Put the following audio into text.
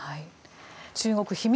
中国秘密